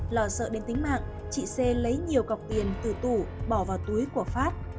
lò sợ đến tính mạng chị c lấy nhiều cọc tiền từ tủ bỏ vào túi của phát